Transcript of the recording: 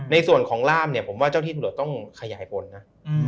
ในส่วนของร่ามเนี่ยผมว่าเจ้าที่ตำรวจต้องขยายผลนะ